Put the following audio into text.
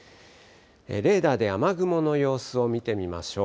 レーダーで雨雲の様子を見てみましょう。